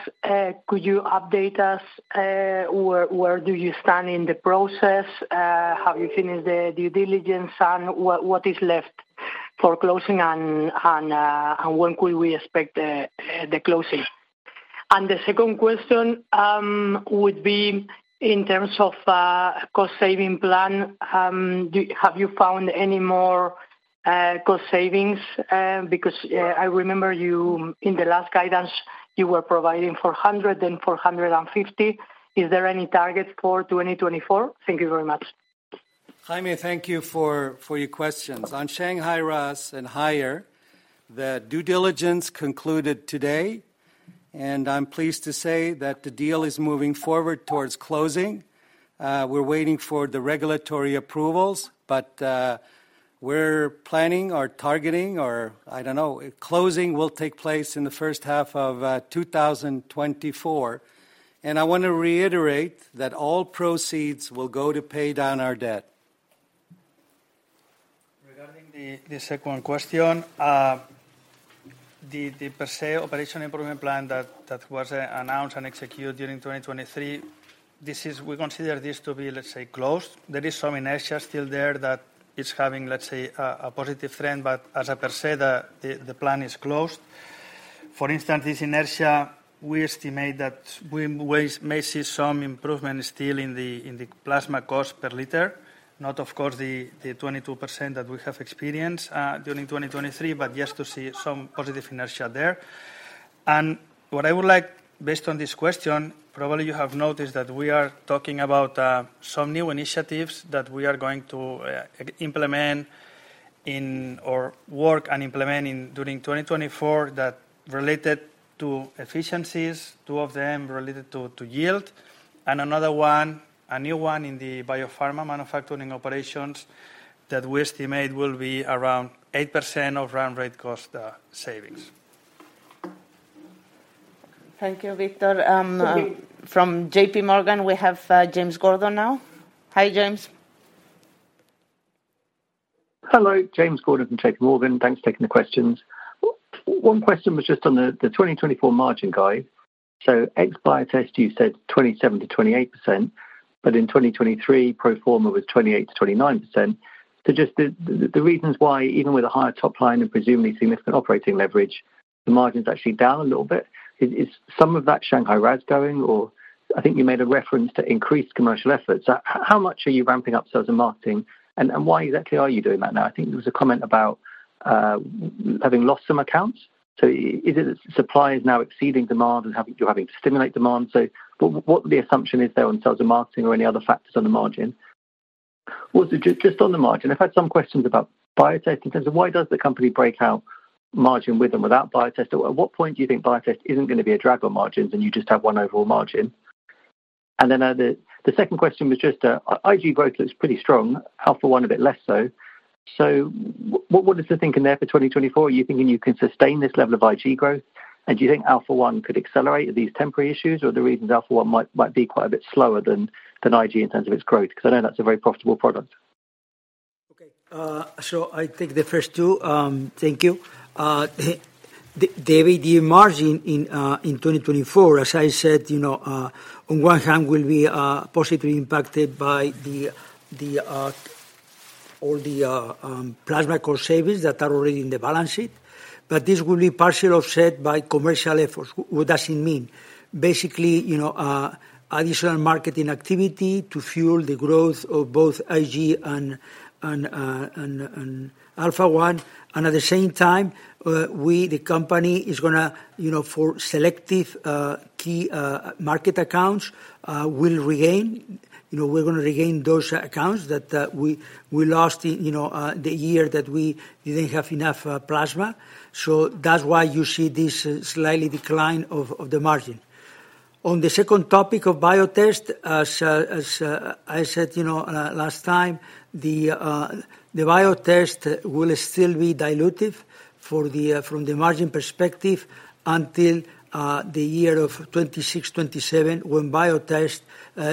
could you update us, where, where do you stand in the process? Have you finished the due diligence, and what, what is left for closing, and, and, and when could we expect the, the closing? And, the second question would be in terms of cost-saving plan. Have you found any more cost savings? Because, I remember you, in the last guidance, you were providing 400, then 450. Is there any targets for 2024? Thank you very much. Jaime, thank you for your questions. On Shanghai RAAS and Haier, the due diligence concluded today, and I'm pleased to say that the deal is moving forward towards closing. We're waiting for the regulatory approvals, but we're planning or targeting or, I don't know, closing will take place in the first half of 2024. And, I want to reiterate that all proceeds will go to pay down our debt. Regarding the second question, the per se operation improvement plan that was announced and executed during 2023, this is—we consider this to be, let's say, closed. There is some inertia still there that is having, let's say, a positive trend, but as a per se, the plan is closed. For instance, this inertia, we estimate that we may see some improvement still in the plasma cost per liter. Not, of course, the 22% that we have experienced during 2023, but yes, to see some positive inertia there. What I would like, based on this question, probably you have noticed that we are talking about some new initiatives that we are going to implement in, or work and implement in during 2024 that related to efficiencies, two of them related to yield, and another one, a new one in the Biopharma manufacturing operations, that we estimate will be around 8% of run rate cost savings. Thank you, Victor. From JPMorgan, we have James Gordon now. Hi, James. Hello, James Gordon from JP Morgan. Thanks for taking the questions. One question was just on the 2024 margin guide. So ex-Biotest, you said 27%-28%, but in 2023, pro forma was 28%-29%. So, just the reasons why, even with a higher top line and presumably significant operating leverage, the margin is actually down a little bit. Is some of that Shanghai RAAS going or... I think you made a reference to increased commercial efforts. How much are you ramping up sales and marketing, and why exactly are you doing that now? I think there was a comment about having lost some accounts. So, is it supply is now exceeding demand and you're having to stimulate demand? So, what the assumption is there on sales and marketing or any other factors on the margin? Well, so just on the margin, I've had some questions about Biotest in terms of why does the company break out margin with and without Biotest? At what point do you think Biotest isn't going to be a drag on margins, and you just have one overall margin? And then, the second question was just, IG growth looks pretty strong, Alpha-1 a bit less so. So, what is the thinking there for 2024? Are you thinking you can sustain this level of IG growth? And do you think Alpha-1 could accelerate these temporary issues, or the reasons Alpha-1 might be quite a bit slower than IG in terms of its growth? Because I know that's a very profitable product. Okay, so I take the first two. Thank you. The margin in 2024, as I said, you know, on one hand, will be positively impacted by the all the plasma cost savings that are already in the balance sheet, but this will be partially offset by commercial efforts. What does it mean? Basically, you know, additional marketing activity to fuel the growth of both IG and Alpha-1, and at the same time, we, the company, is gonna, you know, for selective key market accounts will regain. You know, we're gonna regain those accounts that we lost in the year that we didn't have enough plasma. So that's why you see this slightly decline of the margin. On the second topic of Biotest, as I said, you know, last time, the Biotest will still be dilutive from the margin perspective until the year of 2026, 2027, when Biotest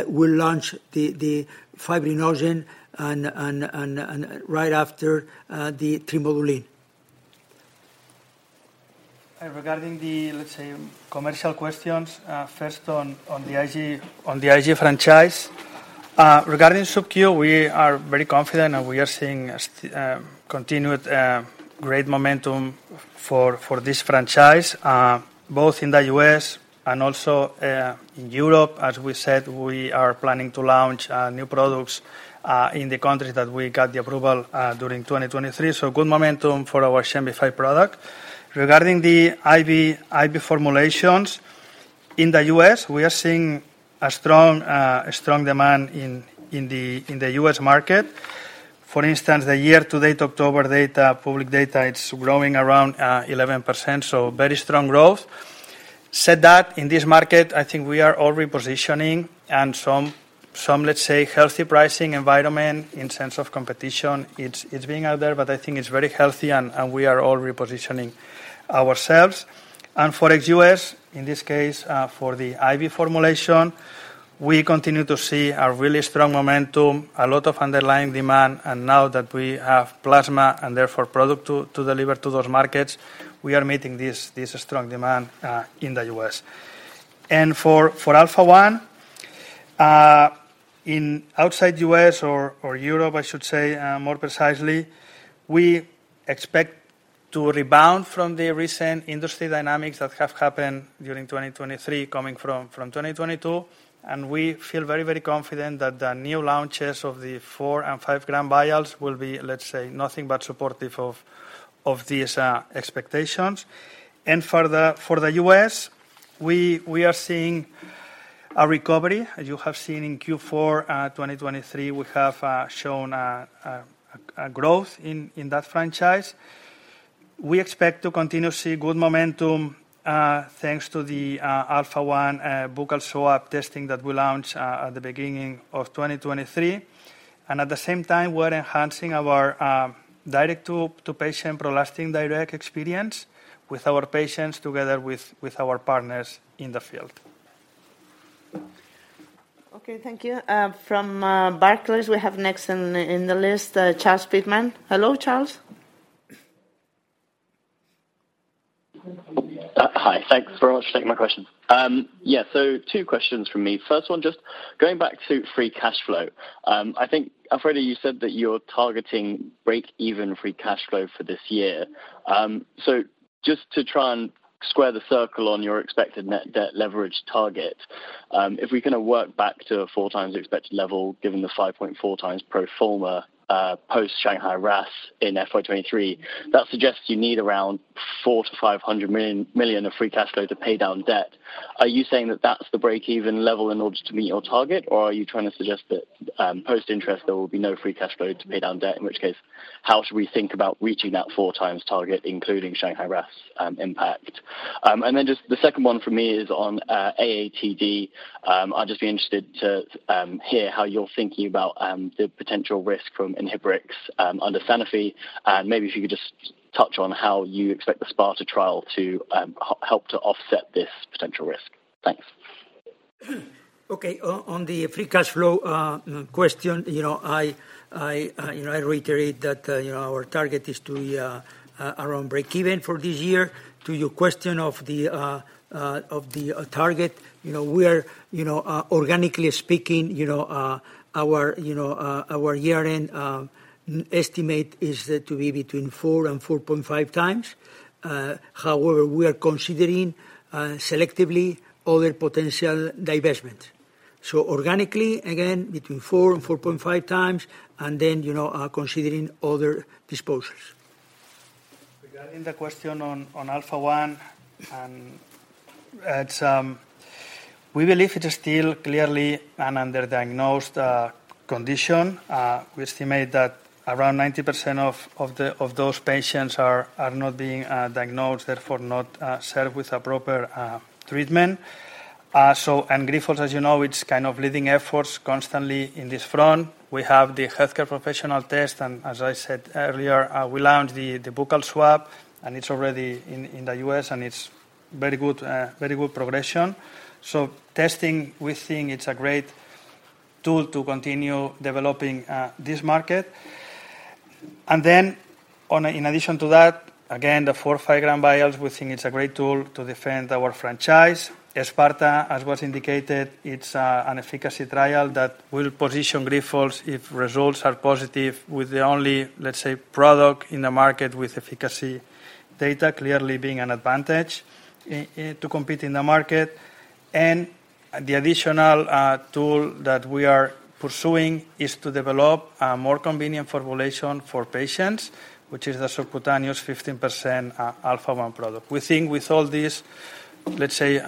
will launch the Fibrinogen and right after the Trimodulin. Regarding the, let's say, commercial questions, first on, on the IG, on the IG franchise. Regarding sub-Q, we are very confident, and we are seeing continued great momentum for this franchise both in the U.S. and also in Europe. As we said, we are planning to launch new products in the countries that we got the approval during 2023. So good momentum for our XEMBIFY product. Regarding the IV, IV formulations, in the U.S., we are seeing a strong, a strong demand in the U.S. market. For instance, the year to date, October data, public data, it's growing around 11%, so very strong growth. That said, in this market, I think we are all repositioning and some, some, let's say, healthy pricing environment in terms of competition. It's being out there, but I think it's very healthy and we are all repositioning ourselves. For ex-U.S., in this case, for the IV formulation, we continue to see a really strong momentum, a lot of underlying demand, and now that we have plasma and therefore product to deliver to those markets, we are meeting this strong demand in the U.S. For Alpha-1, in outside U.S. or Europe, I should say, more precisely, we expect to rebound from the recent industry dynamics that have happened during 2023, coming from 2022, and we feel very, very confident that the new launches of the 4 g and 5 g vials will be, let's say, nothing but supportive of these expectations. For the U.S., we are seeing a recovery. As you have seen in Q4 2023, we have shown a growth in that franchise. We expect to continue to see good momentum, thanks to the Alpha-1 buccal swab testing that we launched at the beginning of 2023. And at the same time, we're enhancing our direct to patient PROLASTIN Direct experience with our patients, together with our partners in the field. Okay, thank you. From Barclays, we have next in the list, Charles Pitman. Hello, Charles? Hi. Thanks very much for taking my question. Yeah, so two questions from me. First one, just going back to free cash flow. I think, Alfredo, you said that you're targeting breakeven free cash flow for this year. So, just to try and square the circle on your expected net debt leverage target, if we kinda work back to a 4x expected level, given the 5.4x pro forma, post Shanghai RAAS in FY 2023, that suggests you need around 400 million-500 million of free cash flow to pay down debt. Are you saying that that's the breakeven level in order to meet your target, or are you trying to suggest that, post-interest, there will be no free cash flow to pay down debt, in which case, how should we think about reaching that 4x target, including Shanghai RAAS impact? And then, just the second one for me is on AATD. I'd just be interested to hear how you're thinking about the potential risk from Inhibrx under Sanofi, and maybe if you could just touch on how you expect the SPARTA trial to help to offset this potential risk. Thanks. Okay, on the free cash flow question, you know, I reiterate that, you know, our target is to be around breakeven for this year. To your question of the target, you know, we are, you know, organically speaking, you know, our year-end estimate is to be between 4x and 4.5x. However, we are considering selectively other potential divestment. So, organically, again, between 4x and 4.5x, and then, you know, considering other disposals. Regarding the question on Alpha-1. We believe it is still clearly an underdiagnosed condition. We estimate that around 90% of those patients are not being diagnosed, therefore not served with a proper treatment. So, and Grifols, as you know, it's kind of leading efforts constantly in this front. We have the healthcare professional test, and as I said earlier, we launched the buccal swab, and it's already in the U.S., and it's very good progression. So, testing, we think it's a great tool to continue developing this market. And then, in addition to that, again, the 4 g, 5 g vials, we think it's a great tool to defend our franchise. As SPARTA, as was indicated, it's an efficacy trial that will position Grifols if results are positive with the only, let's say, product in the market with efficacy data clearly being an advantage to compete in the market. And, the additional tool that we are pursuing is to develop a more convenient formulation for patients, which is the subcutaneous 15% Alpha-1 product. We think with all this, let's say,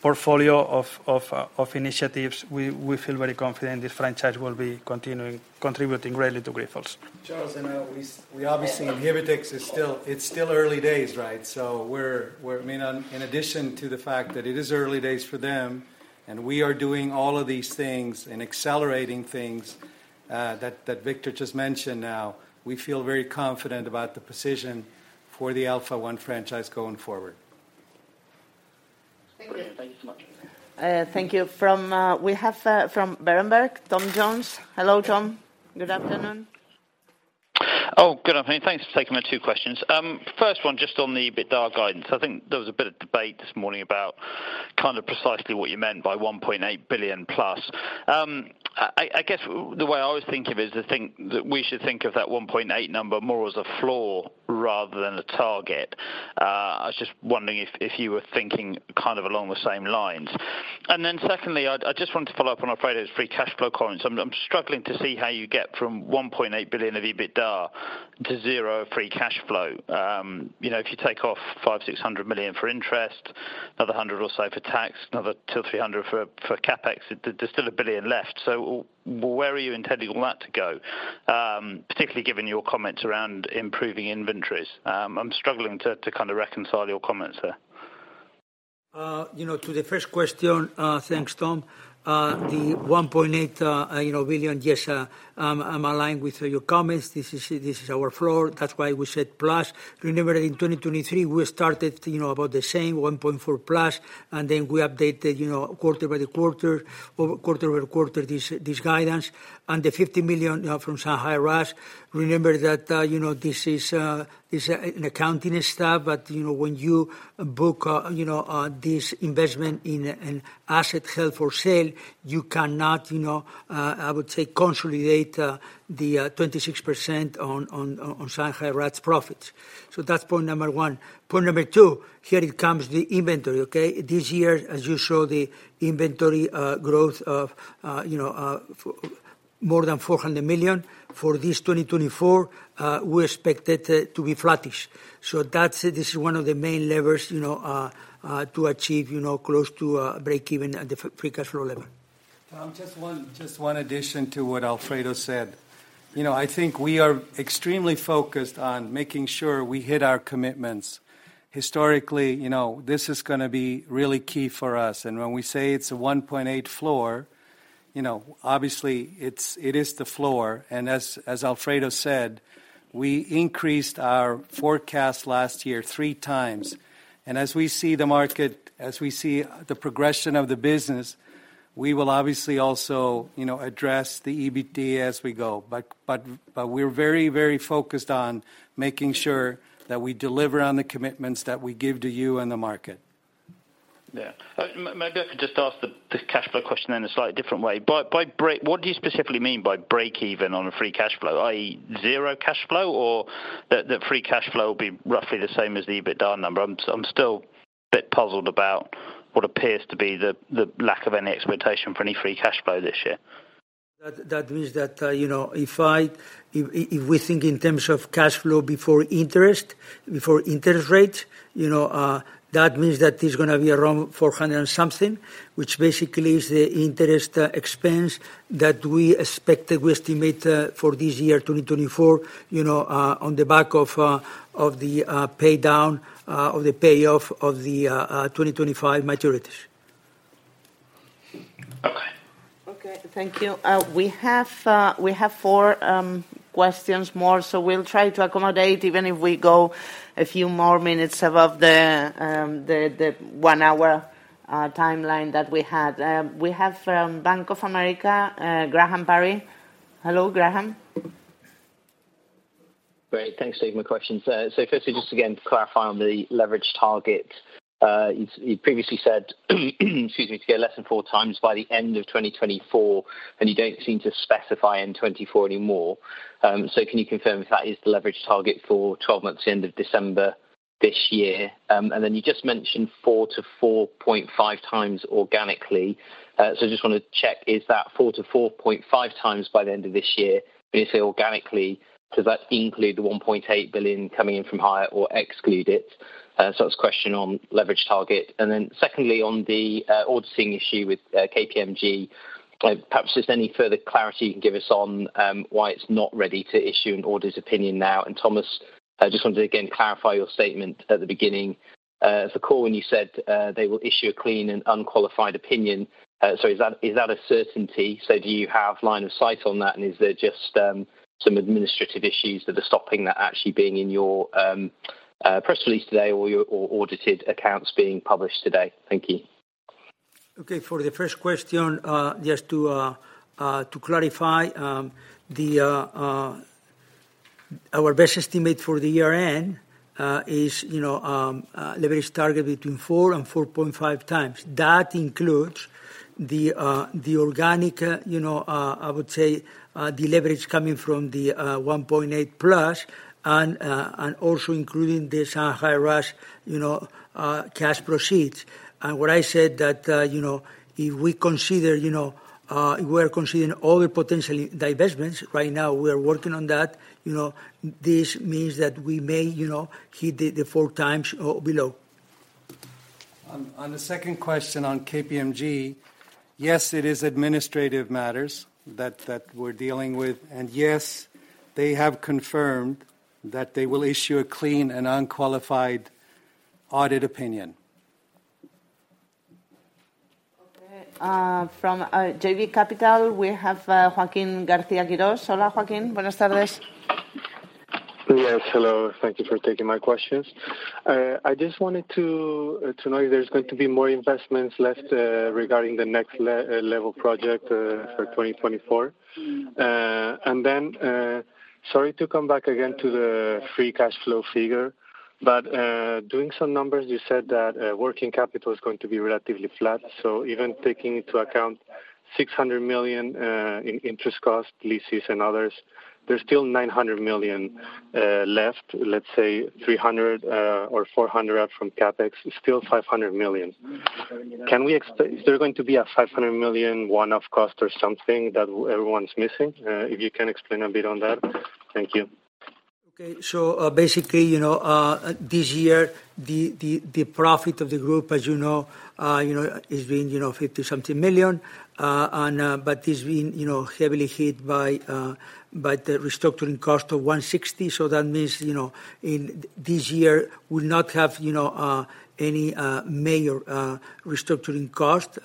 portfolio of initiatives, we feel very confident this franchise will be continuing... contributing greatly to Grifols. Charles, I know we obviously—Inhibrx is still, it's still early days, right? So we're—I mean, in addition to the fact that it is early days for them, and we are doing all of these things and accelerating things that Victor just mentioned now, we feel very confident about the position for the Alpha-1 franchise going forward. Thank you. Thank you so much. Thank you. From, we have, from Berenberg, Tom Jones. Hello, Tom. Good afternoon. Oh, good afternoon. Thanks for taking my two questions. First one, just on the EBITDA guidance. I think there was a bit of debate this morning about kind of precisely what you meant by 1.8+ billion. I guess the way I always think of it is to think that we should think of that 1.8 number more as a floor rather than a target. I was just wondering if you were thinking kind of along the same lines. Then secondly, I just wanted to follow up on Alfredo's free cash flow comments. I'm struggling to see how you get from 1.8 billion of EBITDA to zero free cash flow. You know, if you take off 500 million-600 million for interest, another 100 million or so for tax, another 200 million-300 million for CapEx, there's still 1 billion left. So, where are you intending all that to go, particularly given your comments around improving inventories? I'm struggling to kind of reconcile your comments there. You know, to the first question, thanks, Tom. The 1.8, you know, billion, yes, I'm, I'm aligned with your comments. This is, this is our floor. That's why we said plus. Remember, in 2023, we started, you know, about the same, 1.4+ billion, and then we updated, you know, quarter-by-quarter, or quarter-over-quarter, this, this guidance. And the 50 million from Shanghai RAAS, remember that, you know, this is, is an accounting stuff, but, you know, when you book, you know, this investment in an asset held for sale, you cannot, you know, I would say, consolidate, the 26% on, on, on Shanghai RAAS' profits. So, that's point number one. Point number two, here it comes the inventory, okay? This year, as you show the inventory growth of, you know, more than 400 million, for this 2024, we expect it to be flattish. So, that's it. This is one of the main levers, you know, to achieve, you know, close to breakeven at the free cash flow level. Tom, just one, just one addition to what Alfredo said. You know, I think we are extremely focused on making sure we hit our commitments. Historically, you know, this is gonna be really key for us, and when we say it's a 1.8 floor, you know, obviously it's, it is the floor. And as Alfredo said, we increased our forecast last year three times. And as we see the market, as we see the progression of the business, we will obviously also, you know, address the EBIT as we go. But we're very, very focused on making sure that we deliver on the commitments that we give to you and the market. Yeah. Maybe I could just ask the cash flow question in a slightly different way. By break...what do you specifically mean by breakeven on a free cash flow? I.e., zero cash flow, or that free cash flow will be roughly the same as the EBITDA number? I'm still a bit puzzled about what appears to be the lack of any expectation for any free cash flow this year. That means that, you know, if we think in terms of cash flow before interest, before interest rate, you know, that means that it's gonna be around 400 and something, which basically is the interest expense that we expected, we estimate for this year, 2024, you know, on the back of the pay down of the payoff of the 2025 maturities. Okay. Okay, thank you. We have four more questions, so we'll try to accommodate, even if we go a few more minutes above the one-hour timeline that we had. We have from Bank of America, Graham Parry. Hello, Graham. Great. Thanks for taking my questions. So firstly, just again, to clarify on the leverage target, you previously said, excuse me, to go less than 4x by the end of 2024, and you don't seem to specify in 2024 anymore. So, can you confirm if that is the leverage target for 12 months end of December this year? And then, you just mentioned 4x-4.5x organically. So just wanna check, is that 4x-4.5x by the end of this year? When you say organically, does that include the 1.8 billion coming in from Haier or exclude it? So that's a question on leverage target. And then secondly, on the auditing issue with KPMG, perhaps just any further clarity you can give us on why it's not ready to issue an audit opinion now. And Thomas, I just wanted to, again, clarify your statement at the beginning of the call when you said they will issue a clean and unqualified opinion. So, is that a certainty? So do you have line of sight on that, and is there just some administrative issues that are stopping that actually being in your press release today or your audited accounts being published today? Thank you. Okay, for the first question, just to clarify, our best estimate for the year-end is, you know, leverage target between 4x-4.5 times. That includes the organic, you know, I would say, the leverage coming from the 1.8+, and also including the Shanghai RAAS, you know, cash proceeds. And what I said that, you know, if we consider, you know, we're considering all the potential divestments, right now, we are working on that. You know, this means that we may, you know, hit the 4x or below. On the second question on KPMG, yes, it is administrative matters that, that we're dealing with, and yes, they have confirmed that they will issue a clean and unqualified audit opinion. Okay, from JB Capital, we have Joaquín Garcia-Quiros. Hola, Joaquín. Buenas tardes. Yes, hello. Thank you for taking my questions. I just wanted to know if there's going to be more investments left regarding the Next Level project for 2024. And then, sorry to come back again to the free cash flow figure, but doing some numbers, you said that working capital is going to be relatively flat. So, even taking into account 600 million in interest cost, leases, and others, there's still 900 million left. Let's say 300 or 400 out from CapEx, still 500 million. Is there going to be a 500 million one-off cost or something that everyone's missing? If you can explain a bit on that. Thank you. Okay. So, basically, you know, this year, the profit of the group, as you know, you know, is being, you know, 50-something million, and, but it's been, you know, heavily hit by, by the restructuring cost of 160 million. So, that means, you know, in this year will not have, you know, any major restructuring cost,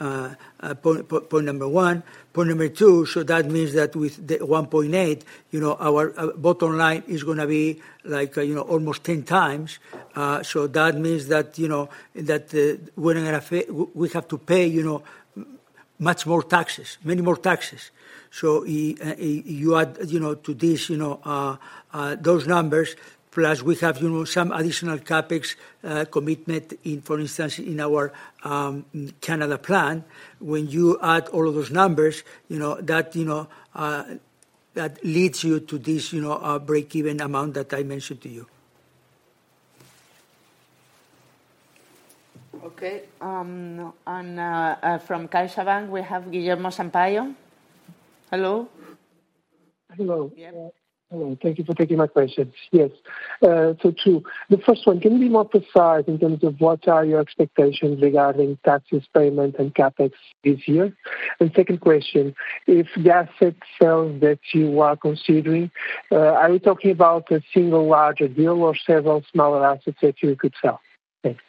point number one. Point number two, so that means that with the 1.8 billion, you know, our bottom line is gonna be like, you know, almost 10x. So that means that, you know, that, we're gonna have to pay, we have to pay, you know, much more taxes, many more taxes. So, you add, you know, to this, you know, those numbers, plus we have, you know, some additional CapEx commitment in, for instance, in our Canada plant. When you add all of those numbers, you know, that, you know, that leads you to this, you know, breakeven amount that I mentioned to you. Okay, from CaixaBank, we have Guilherme Sampaio. Hello. Hello. Hello. Thank you for taking my questions. Yes, so two. The first one, can you be more precise in terms of what are your expectations regarding taxes payment and CapEx this year? And second question, if the asset sales that you are considering, are you talking about a single larger deal or several smaller assets that you could sell? Thanks.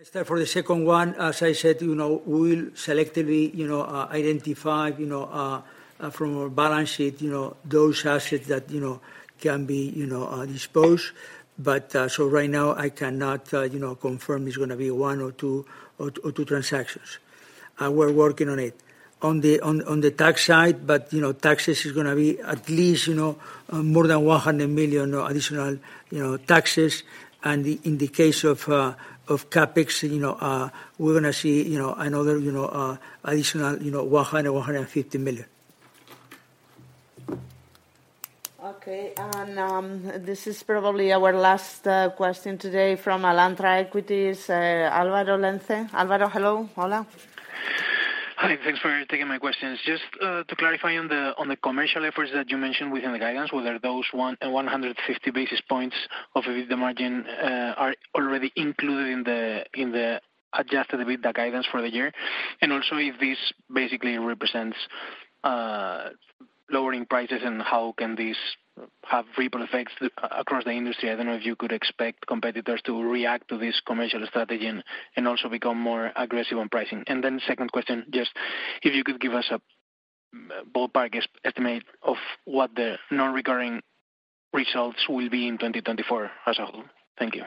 I start for the second one. As I said, you know, we will selectively, you know, identify, you know, from our balance sheet, you know, those assets that, you know, can be, you know, disposed. But... So right now I cannot, you know, confirm it's gonna be one or two, or two transactions. We're working on it. On the, on, on the tax side, but, you know, taxes is gonna be at least, you know, more than 100 million additional, you know, taxes. And the, in the case of, of CapEx, you know, we're gonna see, you know, another, you know, additional, you know, 100 million-150 million. Okay, and this is probably our last question today from Alantra Equities, Álvaro Lenze. Álvaro, hello. Hola. Hi, thanks for taking my questions. Just to clarify on the commercial efforts that you mentioned within the guidance, whether those 150 basis points of EBITDA margin are already included in the adjusted EBITDA guidance for the year. And also, if this basically represents lowering prices, and how can this have ripple effects across the industry? I don't know if you could expect competitors to react to this commercial strategy and also become more aggressive on pricing. And then, second question, just if you could give us a ballpark estimate of what the non-recurring results will be in 2024 as a whole? Thank you.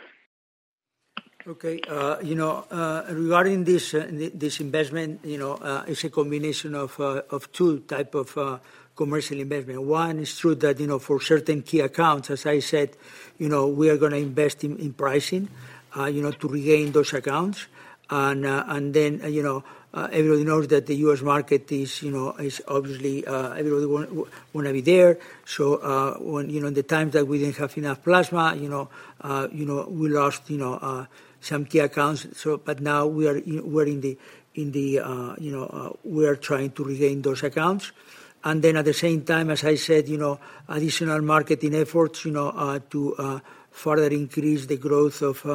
Okay, you know, regarding this, this investment, you know, it's a combination of, of two type of, commercial investment. One, it's true that, you know, for certain key accounts, as I said, you know, we are gonna invest in, in pricing, you know, to regain those accounts. And, and then, you know, everybody knows that the U.S. market is, you know, is obviously, everybody wanna be there. So, when, you know, the times that we didn't have enough plasma, you know, you know, we lost, you know, some key accounts. So, but now we are in, we're in the, in the, you know...we are trying to regain those accounts. And then, at the same time, as I said, you know, additional marketing efforts, you know, to further increase the growth of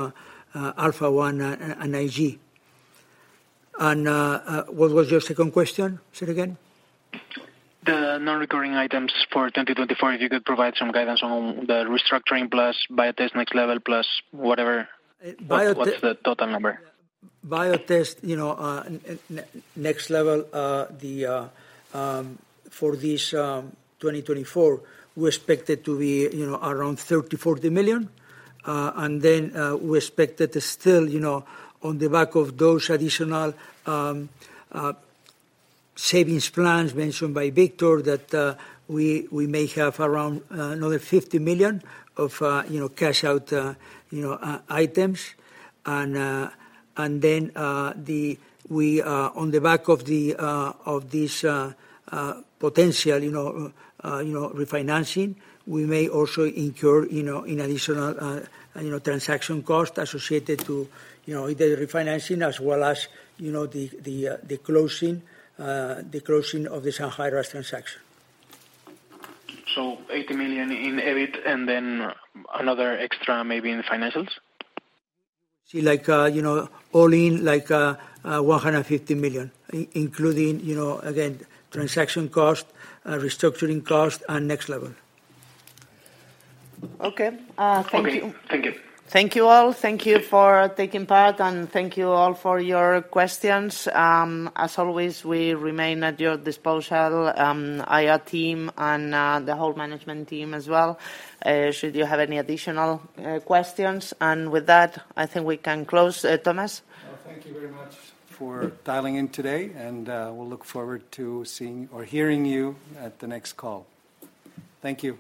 Alpha-1 and IG. And what was your second question? Say it again. The non-recurring items for 2024, if you could provide some guidance on the restructuring, plus Biotest Next Level, plus whatever? Biote- What's the total number? Biotest, you know, Next Level, the, for this 2024, we expect it to be, you know, around 30 million-40 million. And then, we expect it to still, you know, on the back of those additional savings plans mentioned by Victor, that we may have around another 50 million of, you know, cash out items. And then, on the back of this potential refinancing, we may also incur an additional transaction cost associated to the refinancing as well as the closing of the Shanghai RAAS transaction. 80 million in EBIT and then another extra maybe in financials? See, like, you know, all in, like, 150 million, including, you know, again, transaction cost, restructuring cost, and Next Level. Okay, thank you. Okay, thank you. Thank you, all. Thank you for taking part, and thank you all for your questions. As always, we remain at your disposal, IR team and the whole management team as well, should you have any additional questions. And with that, I think we can close. Thomas? Well, thank you very much for dialing in today, and we'll look forward to seeing or hearing you at the next call. Thank you.